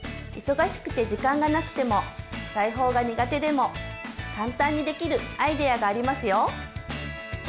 忙しくて時間がなくても裁縫が苦手でも簡単にできるアイデアがありますよ。